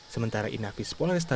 sementara inapis pola